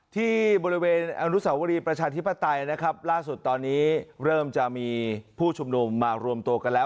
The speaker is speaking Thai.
ที่บริเวณอรุษฎาวรีบรรชาธิพัตยล่าสุดตอนนี้เริ่มจะมีผู้ชุมนุมมารวมโตกันแล้ว